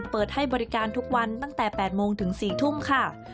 เปิดให้บริการทุกวันตั้งแต่๘โมงถึง๔ทุ่มค่ะ